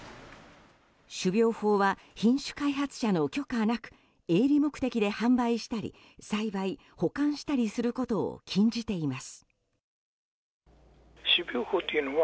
種苗法は品種開発者の許可なく営利目的で販売したり栽培・保管したりすることを禁じています。